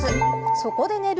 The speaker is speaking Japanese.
そこで寝る！？